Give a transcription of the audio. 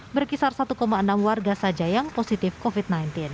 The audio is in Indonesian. berkisar satu enam warga saja yang positif covid sembilan belas